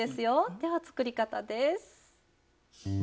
では作り方です。